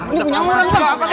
ini punya orang pak